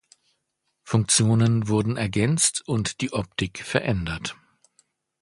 Funktionen wurden ergänzt und die Optik verändert.